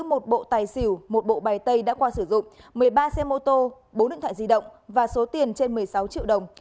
một bộ tài xỉu một bộ bài tay đã qua sử dụng một mươi ba xe mô tô bốn điện thoại di động và số tiền trên một mươi sáu triệu đồng